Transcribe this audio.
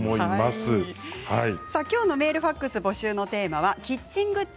きょうのメール、ファックス募集のテーマはキッチングッズ